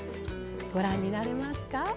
ご覧になれますか？